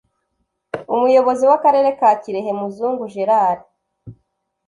Umuyobozi w’Akarere ka kirehe Muzungu Gerald